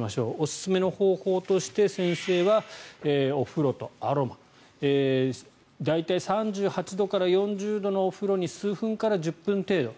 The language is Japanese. おすすめの方法として、先生はお風呂とアロマ。大体３８度から４０度のお風呂に数分から１０分程度。